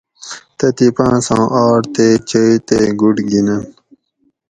تتھی پانساں آٹ تے چئی تے گُڑ گِینن